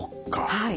はい。